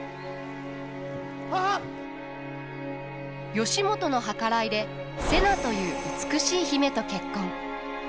義元の計らいで瀬名という美しい姫と結婚。